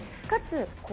かつ